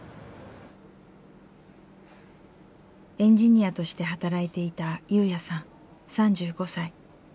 エンジニアとして働いていた優也さん３５歳。